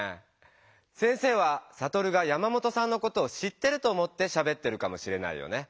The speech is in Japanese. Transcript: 先生はサトルが山本さんのことを知ってると思ってしゃべってるかもしれないよね。